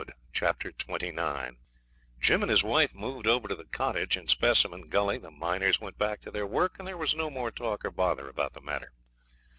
Chapter 29 Jim and his wife moved over to the cottage in Specimen Gully; the miners went back to their work, and there was no more talk or bother about the matter.